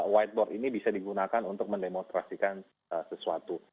whiteboard ini bisa digunakan untuk mendemonstrasikan sesuatu